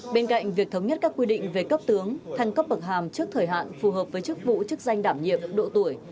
bên cạnh việc thống nhất các quy định về cấp tướng thăng cấp bậc hàm trước thời hạn phù hợp với chức vụ chức danh đảm nhiệm độ tuổi